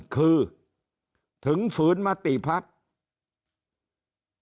คือถึงฝืนมติภักดิ์